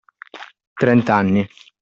Trent’anni.